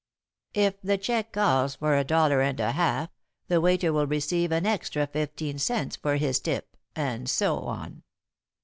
"'If the check calls for a dollar and a half, the waiter will receive an extra fifteen cents for his tip, and so on.